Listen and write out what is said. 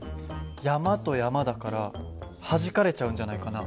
山と山だからはじかれちゃうんじゃないかな。